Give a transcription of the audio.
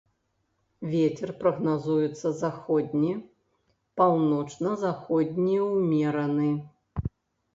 Вецер прагназуецца заходні, паўночна-заходні ўмераны.